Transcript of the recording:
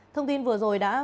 thông tin vừa rồi đã